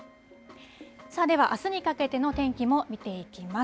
さあ、ではあすにかけての天気も見ていきます。